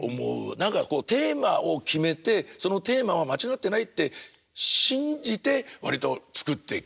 何かこうテーマを決めてそのテーマは間違ってないって信じて割と作ってきた新作が多いですね。